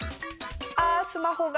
ああースマホが！